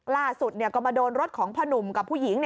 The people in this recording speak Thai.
ล่าสุดก็มาโดนรถของพ่อหนุ่มกับผู้หญิง